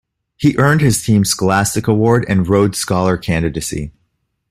He earned his team's scholastic award and a Rhodes Scholar Candidacy.